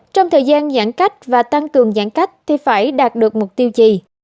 trong thời gian giãn cách và tăng cường giãn cách thì phải đạt được mục tiêu gì